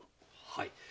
はい。